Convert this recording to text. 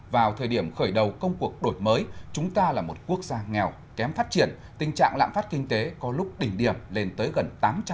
vào thời điểm khởi đầu công cuộc đổi mới chúng ta là một quốc gia nghèo kém phát triển tình trạng lạm phát kinh tế có lúc đỉnh điểm lên tới gần tám trăm linh